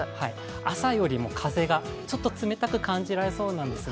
朝よりも風がちょっと冷たく感じられそうなんですね。